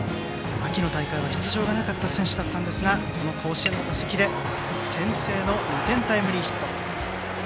秋の大会は出場がなかった選手だったんですがこの甲子園の打席で先制の２点タイムリーヒット。